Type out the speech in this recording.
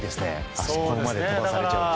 あそこまで飛ばされちゃうと。